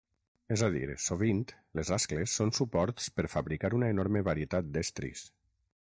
És a dir, sovint, les ascles són suports per fabricar una enorme varietat d'estris.